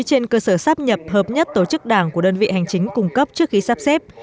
trên cơ sở sắp nhập hợp nhất tổ chức đảng của đơn vị hành chính cung cấp trước khi sắp xếp